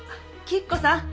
吉子さん！